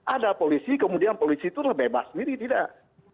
ada polisi kemudian polisi itu bebas sendiri tidak